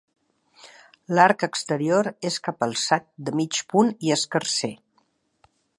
L'arc exterior és capalçat, de mig punt i escarser.